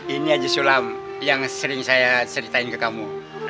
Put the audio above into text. ini haji sulam yang sering saya ceritain ke kamu